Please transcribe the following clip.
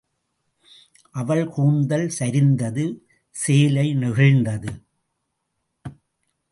அவள் கூந்தல் சரிந்தது சேலை நெகிழ்ந்தது.